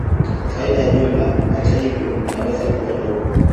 Faida ya jumla, hata hivyo, inaweza kuwa ndogo.